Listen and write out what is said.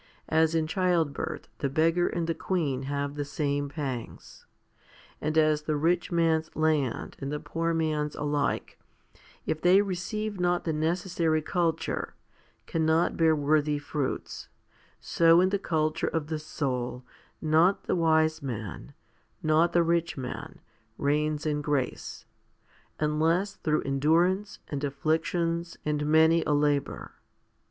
As in childbirth the beggar and the queen have the same pangs, and as the rich man's land and the poor man's alike, if they receive not the 1 Some MSS. have "Isocrates." 267 268 FIFTY SPIRITUAL HOMILIES necessary culture, cannot bear worthy fruits, so in the culture of the soul not the wise man, not the rich man, reigns in grace, unless through endurance, and afflictions, and many a labour.